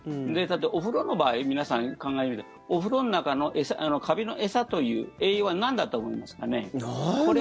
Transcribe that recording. お風呂の場合皆さん、考えてみてお風呂の中の、カビの餌という栄養はなんだと思いますか？